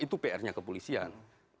itu pr nya kepolisian